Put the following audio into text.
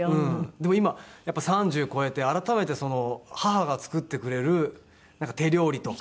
でも今やっぱ３０超えて改めて母が作ってくれる手料理とか。